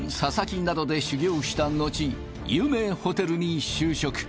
木などで修業した後有名ホテルに就職